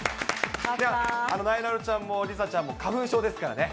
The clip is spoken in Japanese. なえなのちゃんも梨紗ちゃんも花粉症ですからね。